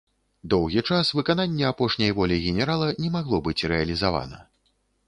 Доўгі час выкананне апошняй волі генерала не магло быць рэалізавана.